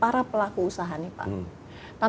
buat undergo kawasan apaan